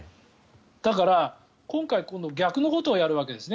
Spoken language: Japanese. だから、今回この逆のことをやるわけですね。